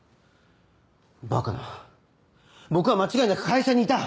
バカな僕は間違いなく会社にいた！